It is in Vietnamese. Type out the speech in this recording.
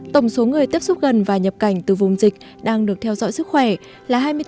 tổng số người tiếp xúc gần và nhập cảnh từ vùng dịch đang được theo dõi sức khỏe là hai mươi bốn sáu trăm hai mươi sáu người